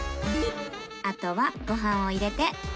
あとはご飯を入れて